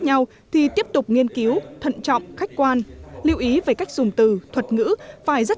nhau thì tiếp tục nghiên cứu thận trọng khách quan lưu ý về cách dùng từ thuật ngữ phải rất